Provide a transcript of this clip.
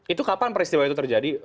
itu kapan peristiwa itu terjadi